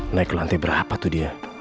naik lantai berapa tuh dia